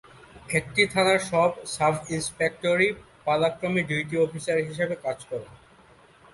একটি থানার সব সাব-ইন্সপেক্টরই পালাক্রমে ডিউটি অফিসার হিসেবে কাজ করেন।